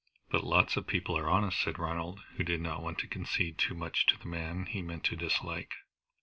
"But lots of people are honest," said Ronald, who did not want to concede too much to the man he meant to dislike.